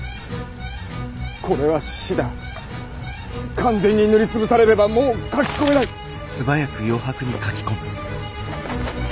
完全に塗り潰されればもう書き込めないッ！